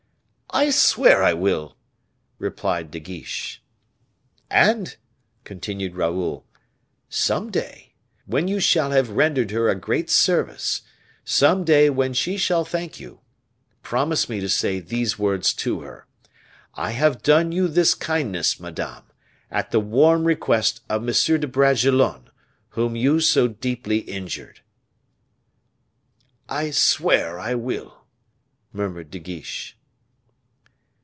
"I swear I will," replied De Guiche. "And," continued Raoul, "some day, when you shall have rendered her a great service some day when she shall thank you, promise me to say these words to her 'I have done you this kindness, madame, at the warm request of M. de Bragelonne, whom you so deeply injured.'" "I swear I will," murmured De Guiche.